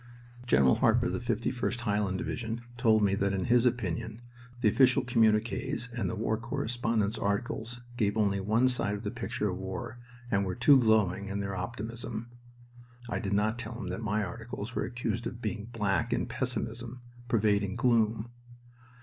General Harper of the 51st (Highland) Division told me that in his opinion the official communiques and the war correspondents' articles gave only one side of the picture of war and were too glowing in their optimism. (I did not tell him that my articles were accused of being black in pessimism, pervading gloom.)